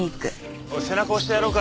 背中押してやろうか？